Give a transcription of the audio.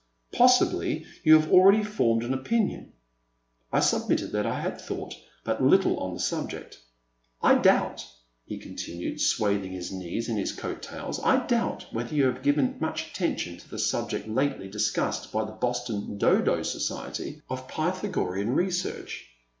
Pos sibly you have already formed an opinion. I admitted that I had thought but little on the subject. The Man at the Next Table. 361 I doubt,*' he continued, swathing his knees in his coat tails, —I doubt whether you have given much attention to the subject lately dis cussed by the Boston Dodo Society of Pytha gorean Research.''